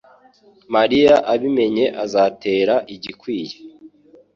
Mariya abimenye azatera igikwiye.